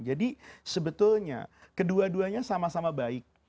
jadi sebetulnya kedua duanya sama sama baik